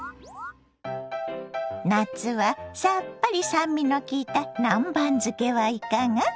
夏はさっぱり酸味のきいた南蛮漬けはいかが？